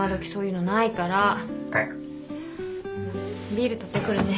ビール取ってくるね。